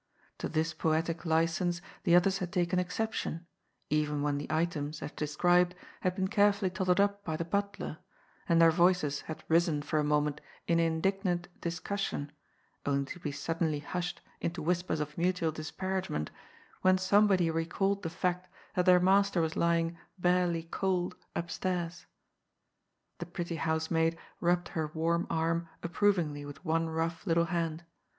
To this poetic license the others had taken exception, even when the items, as described, had been carefully totted up by the butler, and their voices had risen for a moment in indignant discussion, only to be suddenly hushed into whispers of mutual disparagement, when somebody recalled the fact that their master was lying " barely cold " upstairs. The pretty housemaid rubbed her warm arm approvingly with one rough little hand.